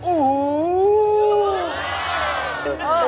อุ้โห